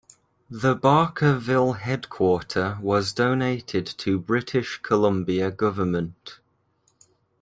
The Barkerville headquarter was donated to British Columbia government.